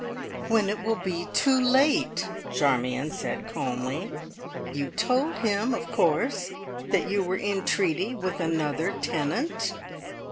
"When it will be too late!" Charmion said calmly. "You told him, of course, that you were in treaty with another tenant?"